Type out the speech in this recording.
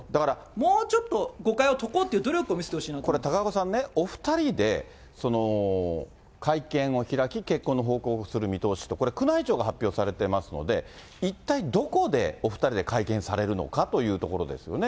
もうちょっと誤解を解こうっていう努力を見せてほしいなと思いま高岡さんね、お２人で会見を開き、結婚の報告をする見通しと、これ、宮内庁が発表されてますので、一体どこでお２人で会見されるのかというところですよね。